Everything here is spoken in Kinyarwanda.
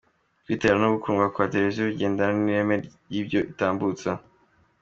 Kwitabirwa no gukundwa kwa televiziyo bigendana n’ireme ry’ibyo itambutsa.